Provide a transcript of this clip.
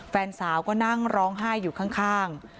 แฟนสาวก็นั่งร้องไห้อยู่ข้าง